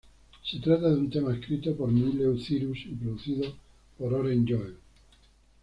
Se trata de un tema escrito por Miley Cyrus y producido por Oren Yoel.